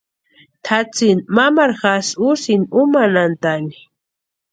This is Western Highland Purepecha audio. Tʼatsïni mamaru jásï úsïni úmanhantʼani.